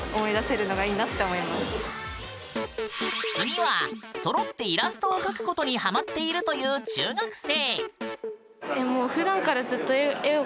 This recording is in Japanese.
次はそろってイラストを描くことにハマっているという中学生。